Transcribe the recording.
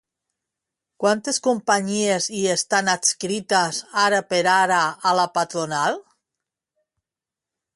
Quantes companyies hi estan adscrites ara per ara a la patronal?